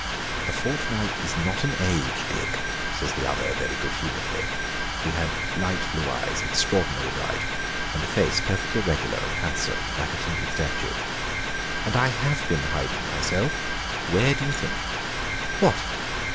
"A fortnight is not an age, Dick," says the other, very good humoredly. (He had light blue eyes, extraordinary bright, and a face perfectly regular and handsome, like a tinted statue.) "And I have been hiding myself where do you think?" "What!